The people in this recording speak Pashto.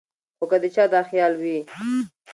خو کۀ د چا دا خيال وي